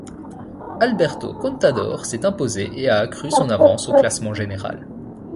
Alberto Contador s'est imposé et a accru son avance au classement général.